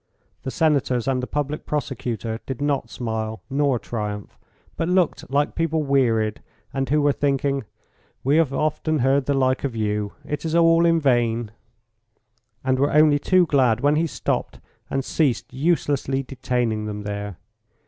The Senators and the Public Prosecutor did not smile nor triumph, but looked like people wearied, and who were thinking "We have often heard the like of you; it is all in vain," and were only too glad when he stopped and ceased uselessly detaining them there.